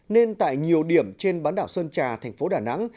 nên tại nhiều điểm trên bán đảo sơn trà thành phố đà nẵng